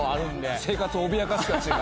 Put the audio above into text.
生活を脅かす人たちが。